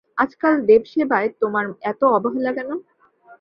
আজকাল দেবসেবায় তোমার এত অবহেলা কেন।